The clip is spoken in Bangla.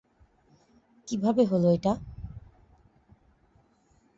কীভাবে হলো এটা?